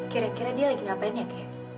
kira kira dia lagi ngapain ya kek